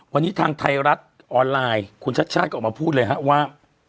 วันนี้ทางไทยรัฐออนไลน์คุณชัดชาติก็ออกมาพูดเลยฮะว่า